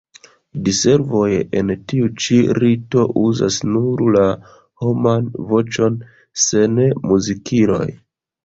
Diservoj en tiu ĉi rito uzas nur la homan voĉon sen muzikiloj.